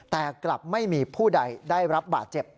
แต่กลับไม่มีผู้ใดได้รับบาดเจ็บ